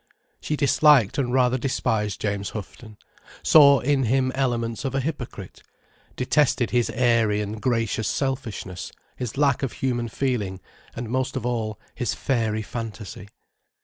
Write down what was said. She disliked and rather despised James Houghton, saw in him elements of a hypocrite, detested his airy and gracious selfishness, his lack of human feeling, and most of all, his fairy fantasy.